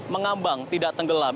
mengambang tidak tenggelam